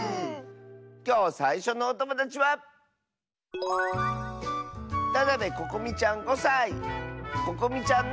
きょうさいしょのおともだちはここみちゃんの。